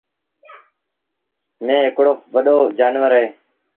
ميݩهن هڪڙو وڏو جآݩور اهي۔